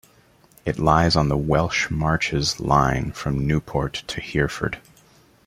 It lies on the Welsh Marches Line from Newport to Hereford.